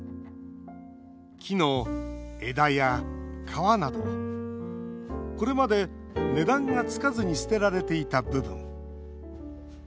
木の枝や皮などこれまで値段がつかずに捨てられていた部分。